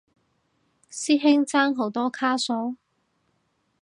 師兄爭好多卡數？